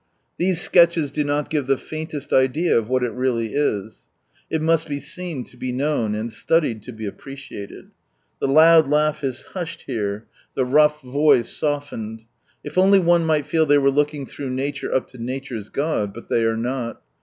These sketches do not give the faintest idea of what it really is. It must be seen, to be known, and studied to be appreciated. The loud laugh is hushed here, the rough voice softened. If only one might feel they were look ing "through Nature up to Nature's God," but they are not.